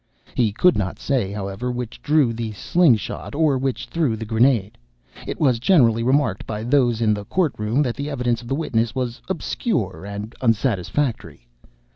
He could not say, however, which drew the slung shot or which threw the grenade. (It was generally remarked by those in the court room, that the evidence of the witness was obscure and unsatisfactory.